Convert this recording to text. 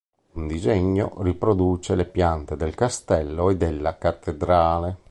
Un disegno riproduce le piante del Castello e della Cattedrale.